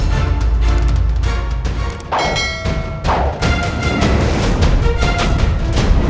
baiklah jika itu maumu